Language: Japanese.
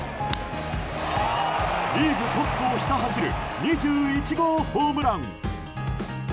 リーグトップをひた走る２１号ホームラン。